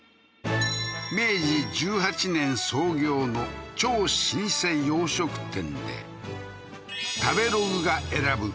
明治１８年創業の超老舗洋食店で食べログが選ぶ